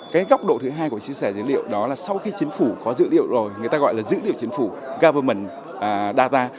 cái góc độ thứ hai của chia sẻ dữ liệu đó là sau khi chính phủ có dữ liệu rồi người ta gọi là dữ liệu chính phủ gaverman dava